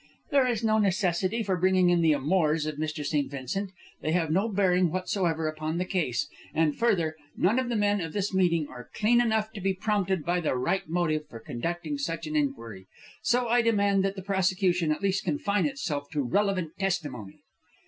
"There is no necessity for bringing in the amours of Mr. St. Vincent. They have no bearing whatsoever upon the case; and, further, none of the men of this meeting are clean enough to be prompted by the right motive in conducting such an inquiry. So I demand that the prosecution at least confine itself to relevant testimony."